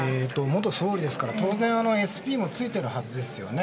元総理ですから当然ＳＰもついてるはずですよね。